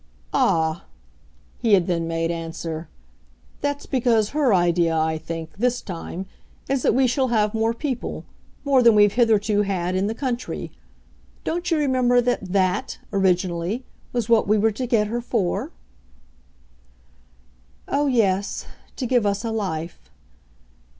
"Ah," he had then made answer, "that's because her idea, I think, this time, is that we shall have more people, more than we've hitherto had, in the country. Don't you remember that THAT, originally, was what we were to get her for?" "Oh yes to give us a life."